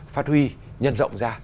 phát huy nhân rộng ra